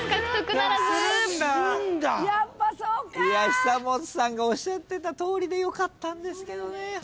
久本さんがおっしゃってたとおりでよかったんですけどね。